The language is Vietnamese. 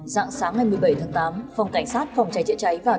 giảng sáng ngày một mươi bảy tháng tám phòng cảnh sát phòng cháy chữa cháy và cứu nạn